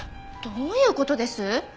どういう事です？